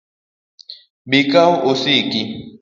Bi ikaw osiki